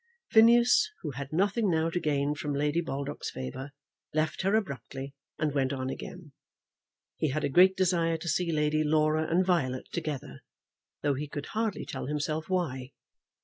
Phineas, who had nothing now to gain from Lady Baldock's favour, left her abruptly, and went on again. He had a great desire to see Lady Laura and Violet together, though he could hardly tell himself why.